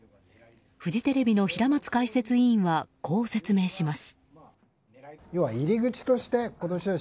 フジテレビの平松解説委員はこう説明します。